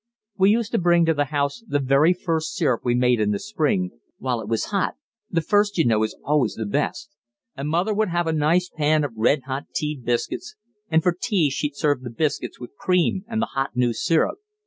We used to bring to the house the very first syrup we made in the spring, while it was hot the first, you know, is always the best and mother would have a nice pan of red hot tea biscuits, and for tea she'd serve the biscuits with cream and the hot new syrup.